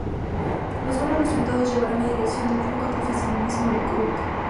Los buenos resultados llevaran la dirección del club a profesionalizar el club.